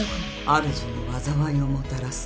あるじに災いをもたらす。